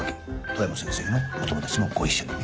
富山先生のお友達もご一緒に。